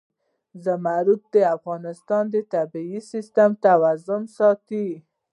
زمرد د افغانستان د طبعي سیسټم توازن ساتي.